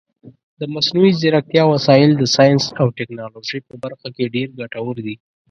د مصنوعي ځیرکتیا وسایل د ساینس او ټکنالوژۍ په برخه کې ډېر ګټور دي.